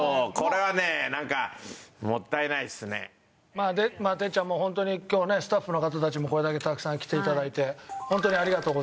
まあ哲ちゃん。もうホントに今日ねスタッフの方たちもこれだけたくさん来て頂いてホントにありがとうございます。